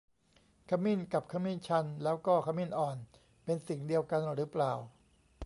ขมิ้น กับขมิ้นชัน แล้วก็ขมิ้นอ่อน เป็นสิ่งเดียวกันหรือเปล่า